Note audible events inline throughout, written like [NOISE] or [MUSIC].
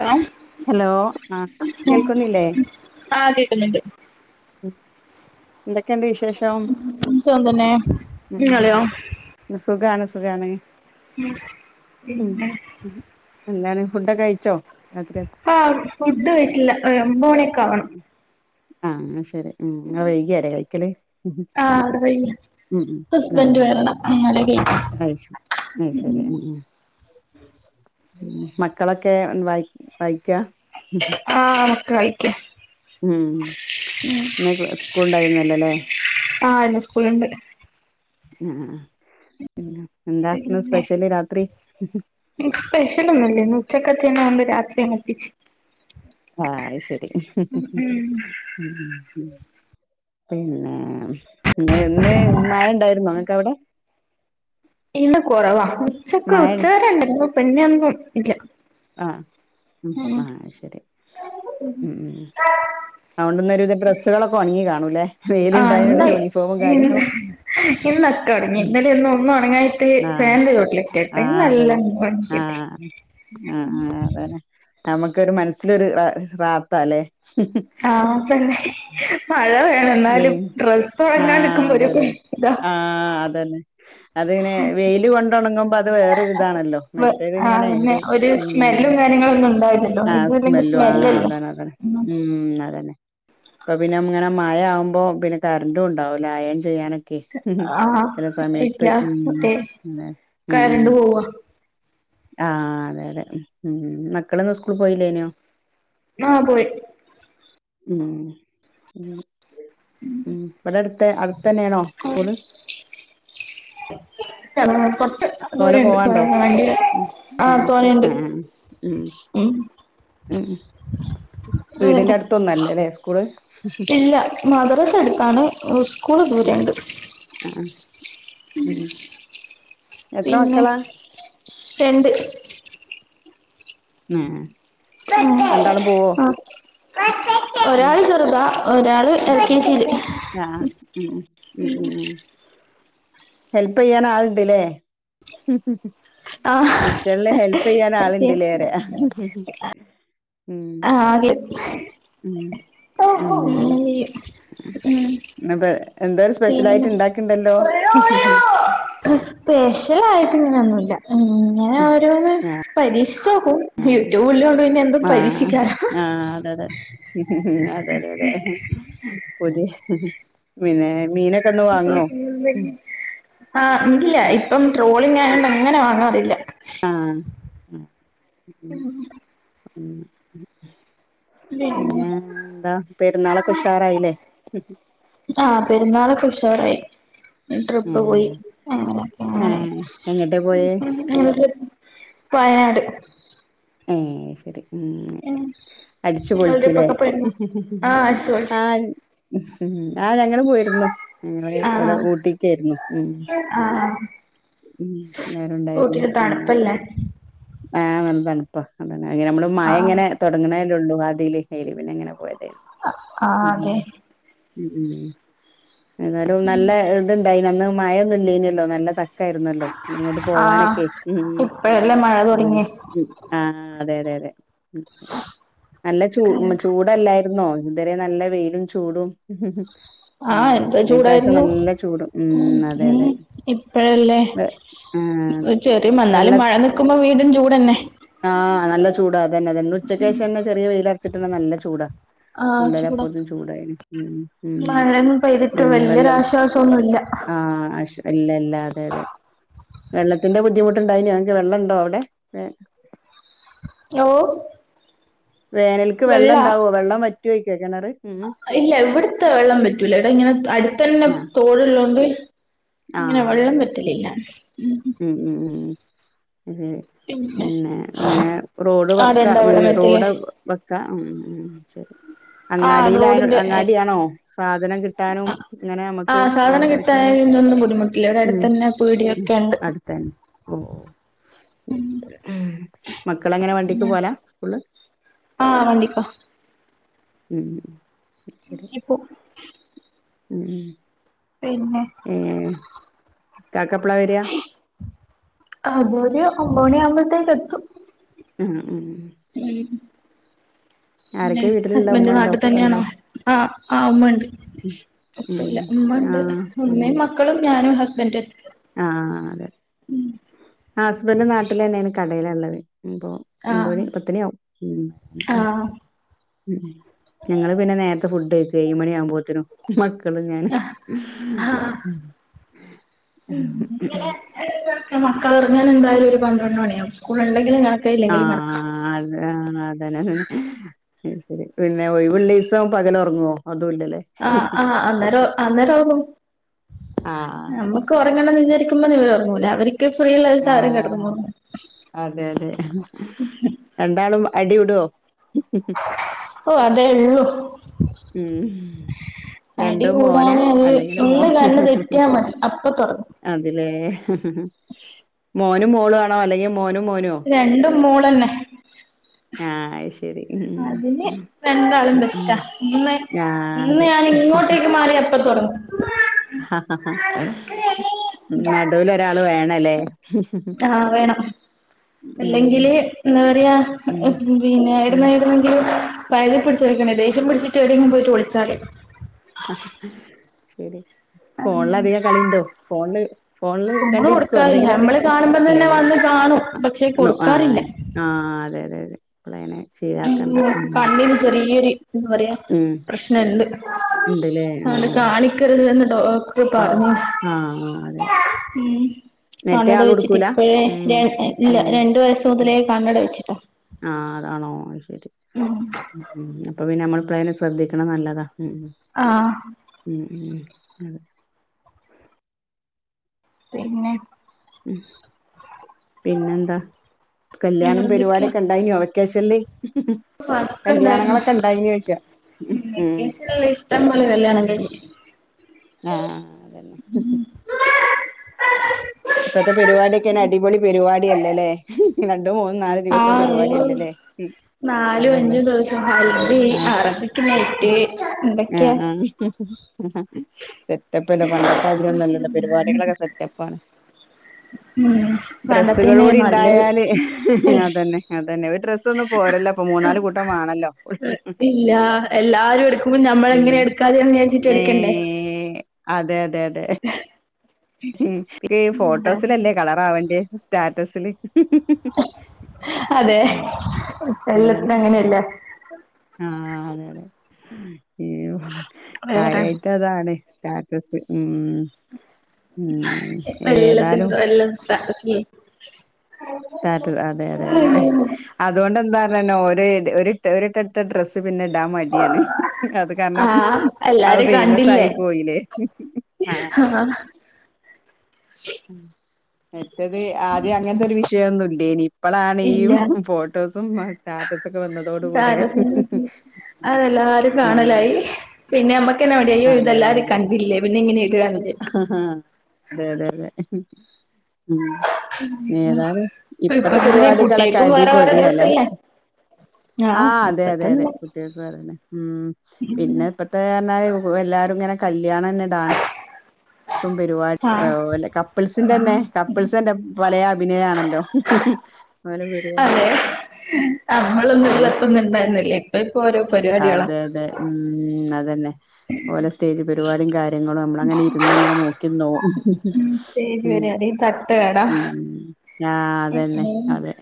Hello hello ആഹ് കേൾക്കുന്നില്ലേ? ആഹ് കേക്കുന്നുണ്ട് ഉം എന്തൊക്കെയുണ്ട് വിശേഷം? സുഖം തന്നെ ഇങ്ങളെയോ ഉം സുഖാണ്. സുഖാണ്. ഉം ഉം. പിന്നെ എന്താണ് ഫുഡൊക്കെയിച്ചോ? ആഹ് ഫുഡ് കയ്ച്ചില്ല ഏഹ് ഒമ്പമണിയൊക്കെ ആവണം. ആഹ് അത് ശരി ഉം ഇങ്ങള് വൈകിയാലെ കഴിക്കാലെ. ഹസ്ബന്ഡ് വരണം അങ്ങനെ. അയ് ശരി അയ് ശരി ഉം ഉം മക്കളൊക്കെ വായ് വായിക്കാ? ഉം ആഹ് മക്കളെ വായിക്കുവാ. ഉം ഇന്നയ് സ്കൂൾണ്ടായിര്ന്നല്ലല്ലേ? ആ ഇന്ന് സ്കൂളുണ്ട് അ ആ പിന്നെ എന്താ ഇന്ന് പിന്നെ സ്പെഷ്യല് രാത്രി സ്പെഷ്യല് ഒന്നുല്ലേ ഉച്ചക്ക [UNINTELLIGIBLE] രാത്രി അങ്ങ് ഒപ്പിച്ച് ആ അയിശരി ഉം ഉം ഉം ഉം പിന്നെ ഇന്ന് മഴ ഉണ്ടായിരുന്നോ ഇങ്ങക്ക് അവിടെ ഇന്ന് കൊറവാ ഉച്ചക്ക് മഴ ഉച്ചവരെയുണ്ട് പിന്നൊന്നും ഇല്ല ആഹ് ഉം ആ ശരി ഉം ഉം അതുകൊണ്ട് ഇന്നൊരുവിധം ഡ്രസ്സുകളൊക്കെ ഒണങ്ങി കാണും ആഹ് വെയിലുണ്ടായോണ്ട് ഇന്ന് യൂണിഫോമും ഇന്ന് കാര്യങ്ങളൊക്കെ ഇന്നൊക്കെ ഉണങ്ങി ഉം ഇന്നലെ ഇന്ന് ഒന്നും ഉണങ്ങായിട്ട് ആഹ് ഫാന്റെ ചോട്ടിലിട്ട് ഇന്ന് എല്ലാം ഉണങ്ങി ആ കിട്ടി ആ ആ അതന്നെ നമുക്കൊരു ഒരു മനസ്സിലൊരു റാഹത്ത് അല്ലേ ആ തന്നെ മഴ [UNINTELLIGIBLE] എന്നാലും ഡ്രസ്സ്‌ ഉണങ്ങാൻ ആഹ് അതെ അതെ [UNINTELLIGIBLE] ഇതാ ആഹ് അതന്നെ അതിങ്ങനെ വെയില് കൊണ്ടുണങ്ങുമ്പൊ അത് വേറൊരിതാണല്ലോ മറ്റേത് ഇങ്ങനെ ഒരു ഉം [UNINTELLIGIBLE] കാര്യങ്ങള് ഒന്നും ആ സ്മെല്ലും ആ അതാണ് അതാണ് ഉം അതന്നെ ഇപ്പൊ പിന്നെ ഇങ്ങനെ മഴ ആകുമ്പോ പിന്നെ കറന്റും ഉണ്ടാവില്ല അയൺ ചെയ്യാനൊക്കെ ക്ക് ആഹ് ചില ഇല്ല സമയത്ത് ഉം മറ്റേ പിന്നെ ഉം കരണ്ട് പോവാ ആ അതെ അതെ ഉം മക്കളൊന്നും സ്കൂളിൽ പോയില്ലേനോ ആ പോയി ഉം ഉം ഉം ഇവിടെ അടുത്ത് അടുത്ത തന്നെയാണോ സ്കൂള് അ കുറച്ചു തോനെ ദൂരെയുണ്ട് പോവാണ്ടോ വണ്ടി ഉം ആ ഉം ഉം തോനെയുണ്ട് ആഹ് ആഹ് ഉം ഉം വീടിന്റെ ഉം അടുത്തൊന്നും അല്ലല്ലേ സ്കൂള് ഇല്ല മദറസേ അടുത്താണ് സ്കൂള് ഉം ദൂരണ്ട് ആഹ് ഉം എത്ര പിന്നെ മക്കളാ രണ്ട് ആ ആ ആ [UNINTELLIGIBLE] ഒരാള് ചെറുതാ ഒരാള് എൽ കെ ജിയില് ആ ഉം ഉം ഉം ഉ ഹെൽപ് ചെയയ്യന് ആൾട്ടില്ലേ ആ കിച്ചണില് ഹെൽപ് ചെയ്യാൻ ആളുണ്ടല്ലേറെ ആ ഉം ഉ ഏഹ് ഹെ ഇന്നിപ്പോ എന്തോ സ്പെഷ്യൽ പിന്നെ ആയിട്ട് ഇണ്ടാക്ക്ണ്ടല്ലോ സ്പെഷ്യല ആയിട്ട് ഇങ്ങനെന്നുല്ല ഇങ്ങനെ ഓരോന്ന് പരീക്ഷിച്ചു നോക്കും യൂട്യൂബിലോണ്ട് പിന്നെ എന്തും പരീക്ഷികാലോ ഉ ഉ ഉ ഉ അതെ അതെ അതെ പുതിയ പിന്നെ മീന [UNINTELLIGIBLE] ആ ഉണ്ടില്ല ഇപ്പം ട്രോളി പിന്നെ അങ്ങനെ വാങ്ങാറില്ല ആഅ ഉ ഉ പിന്നെ എന്താ പെരുന്നാളൊക്കെ ഉഷാറായില്ലേ അ പെരുന്നാളെക്കെ ഉഷാറായി ട്രിപ്പ് പോയി ഏഹ് അങ്ങനെയൊക്കെ ഏഹ് എങ്ങട്ടാ പോയേ അങ്ങനെയ വയനാട് ഏ ശരി ഉ അടിച്ചു നിങ്ങൾ പൊളിച്ചില്ലേ ട്രിപ്പൊക്കെ പോയിരുന്നോ ആഹ് അടിച്ചു ആ പൊളിച്ച് ഉ ആ ഞങ്ങൾ പോയിരുന്നു ഞങ്ങൾ ഇവിടെ ആഹ് ഊട്ടിക്കായിരുന്നു ഉ ആഹ് ഉ എല്ലാറുണ്ടായിരുന്നു ഊട്ടില് പിന്നെ തണുപ്പല്ലേ ആ നല്ലതണുപ്പാ അതന്നെ അങ്ങനെ നമ്മള് മഴ ആഹ് ഇങ്ങനെ തുടങ്ങണേ ഉള്ളൂ ആദ്യല് അയിൽ ങ്ങനെ പോയത് ആ അതെ ഉം ഉം ഏതാലും നല്ല ഇതുണ്ടായി അന്ന് മഴൊന്നുംല്ലനല്ലോ നല്ല ത ണുപ്പാ യിന്നല്ലോ അയിന കൊണ്ട് ആഹ് പോവാനൊക്കെ ഉ ഇപ്പഴല്ലേ മഴ അതന്നെ തുടങ്ങിയേ ഉ ആ അതെ അതെ അതെ നല്ല ചൂ ചൂടല്ലയി ന്നോ ഇതുരെ നല്ല വെയിലും ചൂടും ഉം ആഹ് എന്താ ഇന്ന് ഇപ്രാവശ്യം ചൂടായിരുന്നു. നല്ല ചൂടും ഉം അതെ ഉ അതെ ഇപ്പഴല്ലേ വെ ആഹ് അതെ വെള്ള ചെറിവന്നാലും മഴ നിക്കുമ്പോ വീണ്ടും ചൂട്ന്നെ. ആഹ് നല്ല ചൂടാ അതന്നെ അതന്നെ ഉച്ചക്കശന്നെ ചെറിയ വെയിൽ അടിച്ചിട്ട് നല്ല ചൂടാ. ആഹ് ചൂടാ ഉള്ളിലപ്പതും ചൂടായിന്. ഉം മഴയൊന്നും പെയ്തിട്ട് പിന്നെ വെള്ളം വല്യൊരാശ്വാസൊന്നുല്ല ആഹ് അഷ് ഇല്ല ഇല്ല അതെ അതെ. വെള്ളത്തിന്റെ ബുദ്ധിമുട്ടുണ്ടായിന എനിക്ക് വെള്ളംണ്ടോ അവിടെ? ഓ വേനലിക്ക് വെള്ളം വെള്ളാ ഇണ്ടാവോ വെള്ളം വറ്റുവോയ്ക്കോ കിണറ്. ഇല്ല ഇവിടത്തെ വെള്ളം പറ്റൂല. ടാ ഇങ്ങനെ അടുത്തന്നെ ആഹ് തോട്ള്ളോണ്ട് അങ്ങനെ ആഹ് അതെ വെള്ളം അതെ ഉം പറ്റലില്ല. അതെ പിന്നെ ഇങ്ങനെ റോഡ് വെക്ക ആടെണ്ടോ വീ വെള്ളം വറ്റല് റോഡ് വക്കാ ഉം ഉ ശരി. ആഹ് അങ്ങാടിൽ അ റോഡിന്റെ അങ്ങാടിയണോ സാധനം കിട്ടാനും ഇങ്ങനെ ഞമുക്ക് വേണ്ട ആവശ്യങ്ങള ന്നും ബുദ്ധിമുട്ടില്ല. ഇവിടെ ഉം അടുതന്നെ പീടിയൊക്കെണ്ട്. അടുത്തന്നെ ഓ ഓ ഉം മക്കളെങ്ങനെ വണ്ടിക്ക് പോല സ്കൂൾല് ആഹ് വണ്ടിക്കോ ഉം ശരി എപ്പോ ഉം പിന്നെ ഏ കാക്കപ്പ്ള വെര ആ ഒരു ഒമ്പത് മണി ആവുമ്പോത്തേക്ക് എത്തും ഉം ഉം ഉം പിന്നെ ആരൊക്കെ വീട്ടിലുള്ള ഹസ്ബന്റ് ഉമ്മ ഉണ്ടോ നാട്ടി ഉപ്പ ഉണ്ടോ തന്ന്യാണോ ആഹ് ആ ഉമ്മ ണ്ട് ഉം ഉം ഉപ്പയില്ല ഉമ്മണ്ട് ആഹ് ഉം ഉമ്മേം മക്കളും ഞാനും ഹസ് ആഹ് അതെ ഹസ്ബന്റ് നാട്ടിലെന്നേണ് കടയിലാള്ളത് മ് പ്പൊ ആഹ് മ്പണി പത്തണി ആ ഉം ആഹ് ഉം ഞങ്ങള് പിന്നെ നേര്ത്തെ ഫുഡ് കഴിക്കും ഏയ് മണി ആവുമ്പോതിന്നു മക്ക മക്കളും ഞാനും ആഹ് ഉം ഉം മക്കളൊറങ്ങാൻ എന്തായാലും ഒരു പന്ത്രണ്ട് മണിയാകും സ്കൂൾ ഉണ്ടെങ്കിലും ഞാൻ ആഹ് അത ആ അതന്നെ [UNINTELLIGIBLE] ശെരി പിന്നെ ഒഴിവുള്ളീസം പകലൊർങ്ങോ ആഹ് ആഹ് അന്നേര അന്നേരവു ആഹ് നമ്മുക്ക് വറങ്ങണം വിചാരിക്കുമ്പോ ഇവര് ഒറങ്ങൂ ആഹ് അതെ അതെ എന്താളും അടിയുടോ ഓ അതെ ഉള്ളു ഉം അടി രണ്ടും മോന കൂടാന് അത് അല്ലെങ്കിൽ മോ ഒന്ന് കണ്ണ് തെറ്റിയാ മതി അപ്പൊ തുറക്കും അതിലേ മോനും മോളും ആണോ അല്ലെങ്കി മോനു മോനോ രണ്ടും മോളന്നെ ആഹ് ശ് അതിന് രണ്ടാളും ഉം ബെസ്റ്റാ ഇന്ന് ആഹ് ഇന്ന് ഞാൻ ഇങ്ങോട്ടേക്ക് മാറി അപ്പ തുടങ്ങു ആഹ ഹ ഹ നടൂലൊരാൾ വേണലേ ആഹ് വേണം അല്ലെങ്കില് എന്താ പറയാ ഉം പിന്നെ ഉം ഇവ്ട്ന്നെവിട്ന്നെങ്കിലും [UNINTELLIGIBLE] പിടിച്ചോട് ക്കെണേയ് ദേഷ്യം പിടിച്ച്ട്ടെവിടേങ്കിലും പോയിട്ടൊളിച്ചാല് ശരി ഫോണില് അധികം കളിണ്ടോ ഫോണില് ഫോണില് നമ്മള് കണ്ടിരിക്കുവോ കൊടുക്കാറില്ല എന്തെങ്കിലൊക്കെ നമ്മള് കാണുമ്പം തന്നെ ഇല്ലല്ലേ വന്ന് കാണും പക്ഷെ ആ കൊടുക്കാറില്ല ആ അതെ അതെ അതെ ഇപ്പളങ്ങനെ ഉം ശീലാക്കണ്ട കണ്ണീന് ചെറിയൊരു എന്താ പറയാ ഉം പ്രശ്നംണ്ട് ഉണ്ട്ല്ലേ ആ അതോണ്ട് കാളിക്കരുത് ന്ന് ഡോക്ടറ് ആ പറഞ്ഞീന്ന് ആ ആ അതെ ഉം നെറ്റേ കണ്ണട ആള് വെച്ചിട്ട് കൊടുക്കൂല ഇപ്പഴേ ഉം ല്ലാ രണ്ടു വയസ്സ് മുതലേ കണ്ണട വെച്ചിട്ടാ ആഹ് അതാണോ അഹ് ശരി അപ്പൊ പിന്നെ നമ്മൾ ഇപ്പേനെ ശ്രദ്ധിക്കണത് നല്ലതാ ഉം ആഹ് ഉം ഉം അതെ പിന്നെ ഉ പിന്നെ എന്താ കല്യാണം വേറെന്തൊക്കെയാ പരിപാടൊക്കെ ഉണ്ടായിന്യോ വെക്കശല് വർക്ക് ഉണ്ടായിരുന്നു കല്യാണങ്ങളൊക്കെ ഉണ്ടായിനോയ്ക്ക [UNINTELLIGIBLE] ഇഷ്ടം പോലെ കല്യാണം കഴി ആഹ് അതന്നെ [INAUDIBLE] ഇപ്പത്തെ പരിപാടിയൊക്കൊന്ന് അടിപൊളി പരിപാടിയല്ലല്ലേ മൂന്ന നാല് ദിവസം ആഹ് അയ്യോ പരിപാടിയല്ലല്ലേ നാലും അതന്നെ അഞ്ചും ദിവസം ഹൽദി ആഹ് ആറപ്പിക്കുന്നറ്റ്് എന്തൊക്കെയാ സെറ്റപ്പ്ല്ല പണ്ടത്തെ ആതിരിന്നുഅ ല്ലല്ലോ പരിപാടികളൊക്കെ സെറ്റപ്പ ആണ് ഉം പണ്ടത്തന്നെ ഡ്രസ്സുകളുംകൂടി നല്ലത് ഇണ്ടായാല് [UNINTELLIGIBLE] അതന്നെ അതന്നെ ഒര് ഡ്രെ ഒന്നും പോരല്ലോ ഇപ്പൊ മൂന്നാല് കൂട്ടം വേണല്ലോ ഇല്ല എല്ലാരും എടുക്കുമ്പോ ഞമ്മളെങ്ങനെ എടുക്കാതെന്ന് വിചാരിച്ചിട്ട് ഏ എടുക്കണ്ടേ അതെ അതെ അതെ ഹ്മ്മ്, ഈ ഫോട്ടോസിലല്ലേ കളറാവണ്ടിയെ സ്റ്റാറ്റസില് അതെ ഉം. അതന്നെ എല്ലാത്തിനും അങ്ങനെയല്ലേ ആഹ് അതെ അതെ വേറെ കാര്യയിട്ടതാണ്. സ്റ്റാറ്റസ് ഉ ഉ ഇപ്പ ഏതാലും എല്ലാത്തിനും എല്ലാം [INAUDIBLE] അതെ അതെ അതെ അതുകൊണ്ട് എന്താ ഒര് ഒരട്ടട്ട ഡ്രസ് പിന്നെ ഡാം മടിയാണ് അത് കാരണം ആഹ് അവ എല്ലാരും കണ്ടില്ലേ ഫേമസായി പോയില്ലേ, [INAUDIBLE] ആഹ് അതെതെതെ ഉ മറ്റേത് ആദ്യം അങ്ങനത്തെ ഒരു വിഷയമൊന്നും ഇല്ലനി ഇപ്പോഴാണ് ഈ ഇല്ല ഫോട്ടോസും സ്റ്റാറ്റസൊക്കെ വന്നതോട കൂടെ സ്റ്റാറ്റസില് അതെല്ലാരും ഉം കാണലായി, അതെ പിന്നെ ഞമ്മക്കന്നെ മടിയായി അയ്യോ ഇതെല്ലാരും കണ്ടില്ലേ പിന്നെ ഇങ്ങനെ ഇടാന്ന് ആ അതെ അതെ അതെ ഉം, ഏതായാലും ഇപ്പ ഇപ്പത്തെ അങ്ങനെ പരിപാടികളൊക്കെ കുട്ടികക്കും വേറെ വേറെ അടിപൊളിയാല്ലെ ഡ്രസ്സല്ലേ ആഹ് ഇപ്പ അതെ, അതെ, തന്നെ അതെ കുട്ടികൾക്കും അതന്നെ, ഉം പിന്നെ ഇപ്പത്തെന്നഞ്ഞാൽ എല്ലാരും ഇങ്ങനെ കല്യാണം തന്നെ ഡാൻസ് പരിപാടി ആഹ് ഓലെ [UNINTELLIGIBLE] ന്നെ കപ്പിൾസിന്റെന്നെ കപ്പിൾസ് എന്റെ പല അഭിനയ ആണല്ലോ [UNINTELLIGIBLE] അതെ നമ്മളൊന്നും ഓലെ, ഉള്ളപ്പൊന്നും ഉണ്ടായിരുന്നില്ല ഇപ്പ ഇപ്പൊ ഓരോ പരിപാടികളാ അതെ അതെ ഉം അതെ പിന്നെ ഓലെ സ്റ്റേജ് പരിപാടിയും കാര്യങ്ങളും നമ്മളങ്ങനെ ഇരുന്നങ്ങനെ നോക്കിന്നോവും. ഉം സ്റ്റേജ് ഹ്മ്മ്, പരിപാടി തട്ടുകട ഹ്മ്മ് ആഹ് അതന്നെ അതെ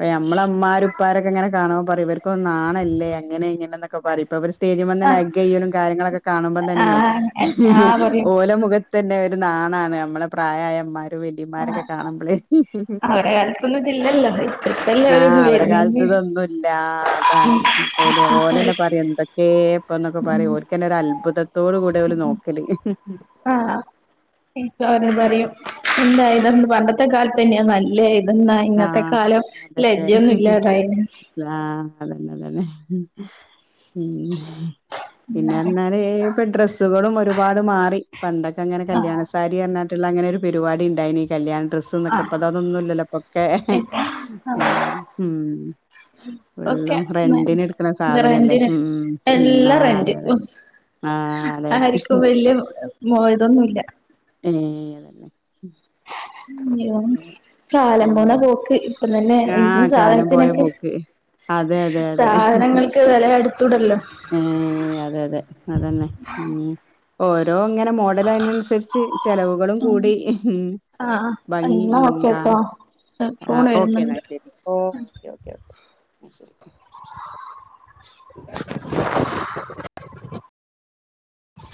അപ്പ ഞമ്മളെ ഇമ്മാരുപ്പാരൊക്കെങ്ങനെ കാണുമ്പോ പറിം ഇവര് ഇപ്പൊ നാണല്ലേ അങ്ങനെ ഇങ്ങനെന്നൊക്കെ പറയിമ്പോ ഇവര് സ്റ്റേജുമെന്നേ ആഹ് ഹഗയ്യലും കാര്യങ്ങളൊക്കെ കാണുമ്പം തന്നെ ആഹ് ആഹ് പറയൂ [INAUDIBLE] ഓലെ മുഖ അതന്നെ ഒരു നാണാണ് നമ്മളെ പ്രായായമ്മാര് മ്മാര് വല്ലിമ്മാരോക്കെ കാണുമ്പോഴേ അവരെ കാലത്തൊന്നും ഇതില്ലല്ലോ ഇപ്പ ഇപ്പ ആ എല്ലാവരും അവരെ കാലത്ത് വരുന്നേ ഇതൊന്നുല്ല അതാണ് ഓലെ ഓലെന്നെ പറയും എന്തൊക്കേപ്പൊന്നൊക്ക പറിം ഓൽകെന്നെ ഒരത്ഭുതം അതോട കൂടെ നോക്കല് ആഹ് എപ്പ അവര പറയും എന്തായി പണ്ടത്തെ കാലത്തെന്ന്യാ നല്ലേ അതന്നാ ഇന്നത്തെ ആഹ് കാലം അതെ അതെ ലജ്ജൊന്നുല്ലാതായിന് ആഹ് അതന്നെ അതന്നെ ഉം ആഹ് പിന്നെർഞാല് ഇപ്പൊ ഡ്രെസ്സുകളും ഒരുപാട് മാറി പണ്ടൊക്കെ അങ്ങന കല്യാണ ആഹ് സാരി അർഞാട്ടുള്ള അങ്ങനെ ഒരു പരിപാടി ഇണ്ടായിനി കല്യാണ ഡ്രസ്സ്ന്നൊക്കെ ഇപ്പ അതൊന്നുല്ലല്ലോ ഓക്കെ ഉ ഓക്കെ എന്ന സാധനല്ലേ റെന്റിന് ഉം ഉം എല്ലാ ആഹ് അതെ റെന്റ് അതെ ആഹ് അതെ അതെ ആരിക്കും വെല്ല്യെ മോ ഇതൊന്നുല്ല ഏ കാലം പോണ ഉം പോക്ക് തന്നെ ആഹ് കാലം പോയ സാധനത്തിനൊക്കെ പോക്ക് അതെ അതെ അതെ സാധനങ്ങൾക്ക് വെല എടുത്തൂടല്ലോ ഏ അതെ അതെ അല്ലതന്നെ ഉ ഓരോ അങ്ങനെ മോഡലായിനൻസര്ച്ച് ചെലവുകളും കൂടി ഉം ആ ഭംഗി എന്നാ ഓക്കെ കാ കേട്ടോ ഫോൺ ആഹ് വര്ന്നു ഓക്കെ എന്നാ ശരി ഓ ഓക്കെ ഓക്കെ ഓക്കെ ശ [INAUDIBLE]